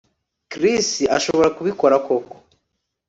Chris arashobora kubikora koko